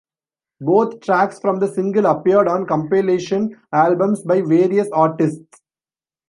Both tracks from the single appeared on compilation albums by various artists.